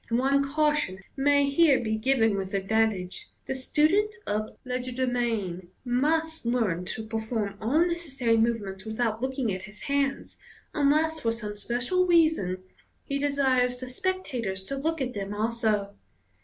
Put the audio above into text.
One caution may here be given with advantage : the student of legerdemain must iearn to perform all necessary movements without looking at his hands, unless for some special reason he desires the spectators to look at them a'so.